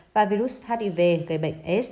và virus sars cov hai